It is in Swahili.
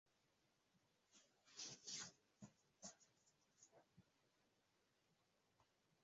kumekuwa na watu ambao wamekuwa wakikata miti kwa sababu ya security ambayo ilikuwa